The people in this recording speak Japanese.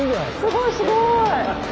すごいすごい！